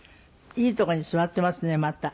いいとこに座っていますねまた。